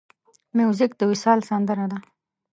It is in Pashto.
موزیک د وصال سندره ده.